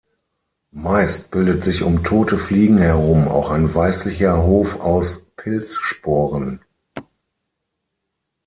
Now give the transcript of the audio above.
Meist bildet sich um tote Fliegen herum auch ein weißlicher Hof aus Pilzsporen.